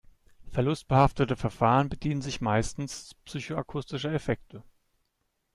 Verlustbehaftete Verfahren bedienen sich meistens psychoakustischer Effekte.